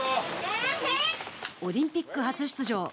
オリンピック初出場